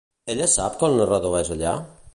Ella sap que el narrador és allà?